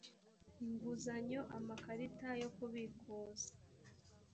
inguzanyo amakarita yo kubikuza